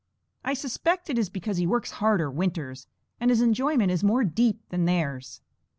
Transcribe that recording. I suspect it is because he works harder winters, and his enjoyment is more deep than theirs.